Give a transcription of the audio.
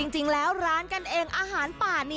จริงแล้วร้านกันเองอาหารป่านี่